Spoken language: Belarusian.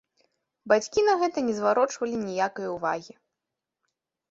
Бацькі на гэта не зварочвалі ніякай увагі.